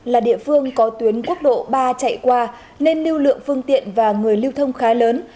là địa phương có tuyến quốc độ ba chạy qua nên lưu lượng phương tiện và người lưu thông khá lớn